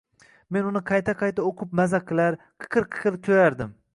Men uni qayta-qayta o’qib maza qilar, qiqir-qiqir kulardim.